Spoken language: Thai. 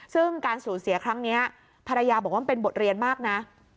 ซึ่งการสูญเสียครั้งนี้ภรรยาบอกว่ามันเป็นบทเรียนมากนะ